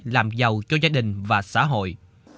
làm giàu cho gia đình và xã hội